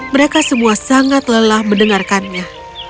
mereka semua sangat lelah mendengarkannya